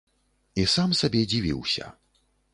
І сам сабе дзівіўся.